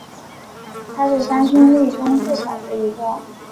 他是三兄弟中最小的一个。